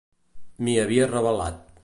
M'hi havia rebel·lat.